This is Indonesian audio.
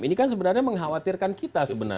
ini kan sebenarnya mengkhawatirkan kita sebenarnya